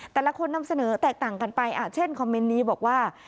แต่ละคนนำเสนอแตกต่างกันไปเช่นคอมเมนต์นี้บอกว่า